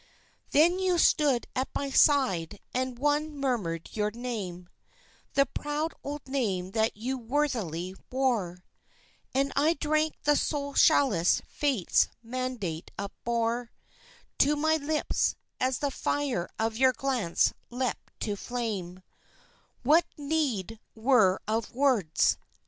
Then you stood at my side and one murmured your name, The proud old name that you worthily wore, And I drank the soul chalice Fate's mandate upbore To my lips, as the fire of your glance leapt to flame; What need were of words?